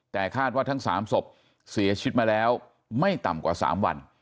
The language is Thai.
แต่คาดว่าทั้ง๓ศพเสียชีวิตมาแล้วไม่ต่ำกว่า๓วัน